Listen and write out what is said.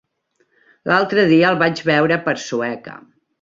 L'altre dia el vaig veure per Sueca.